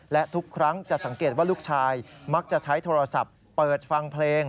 และทุกครั้งจะสังเกตว่าลูกชายมักจะใช้โทรศัพท์เปิดฟังเพลง